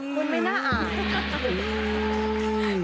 คุณไม่น่าอ่าน